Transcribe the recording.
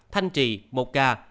thanh trì một ca